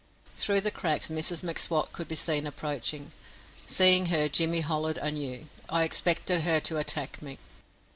Through the cracks Mrs M'Swat could be seen approaching. Seeing her, Jimmy hollered anew. I expected her to attack me.